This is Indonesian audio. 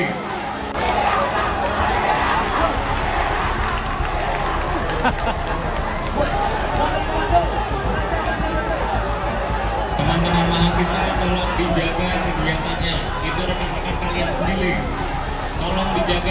teman teman mahasiswa tolong dijaga kegiatannya itu rekan rekan kalian sendiri tolong dijaga